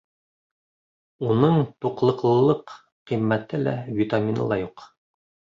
Уның туҡлыҡлылыҡ ҡиммәте лә, витамины ла юҡ.